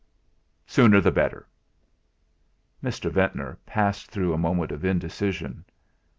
"Sooner the better." Mr. Ventnor passed through a moment of indecision.